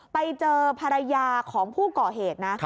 ไปเจอภรรยาของผู้ก่อเหตุนะ